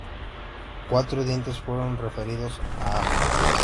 Cuatro dientes fueron referidos a aff.